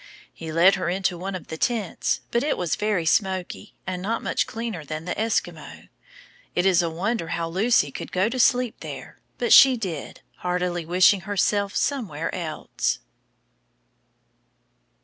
He led her into one of the tents, but it was very smoky, and not much cleaner than the Esquimaux. It is a wonder how Lucy could go to sleep there, but she did, heartily wishing herself somewhere else.